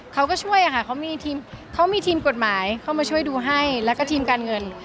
เขาก็ช่วยค่ะเขามีทีมกฎหมายเข้ามาช่วยดูให้แล้วก็ทีมการเงิน